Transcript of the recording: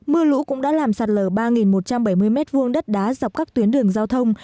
mưa lũ cũng đã làm sạt lở ba một trăm bảy mươi m hai đất đá dọc các tuyến đường giao thông